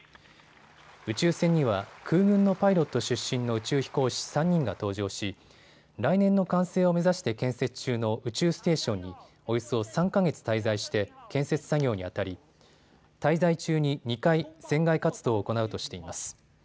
宇宙船には空軍のパイロット出身の宇宙飛行士３人が搭乗し来年の完成を目指して建設中の宇宙ステーションにおよそ３か月滞在して建設作業にあたり滞在中に２回、船外活動を行うとしています。